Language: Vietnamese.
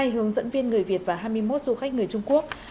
hai hướng dẫn viên người việt và hai mươi một du khách người trung quốc